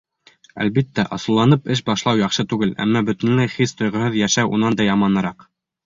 Әлбиттә, асыуланып эш башлау яҡшы түгел, әммә бөтөнләй хис-тойғоһоҙ йәшәү унан да яманыраҡ.